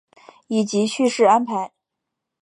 以及叙事安排